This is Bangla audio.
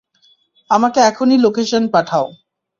আমাকে এখনই লোকেশন পাঠাও।